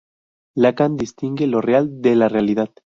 Lacan distingue Lo real de la realidad.